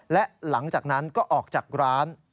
และหลังจากนั้นก็ออกจากร้าน